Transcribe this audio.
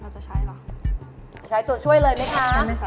จะใช้ตัวช่วยเลยไหมคะ